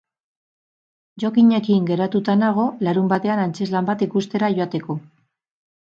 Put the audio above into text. Jokinekin geratuta nago larunbatean antzezlan bat ikustera joateko.